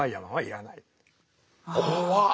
怖っ！